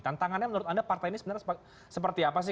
tantangannya menurut anda partai ini sebenarnya seperti apa sih